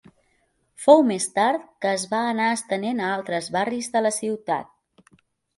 Fou més tard que es va anar estenent a altres barris de la ciutat.